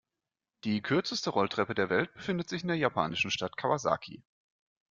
Die kürzeste Rolltreppe der Welt befindet sich in der japanischen Stadt Kawasaki.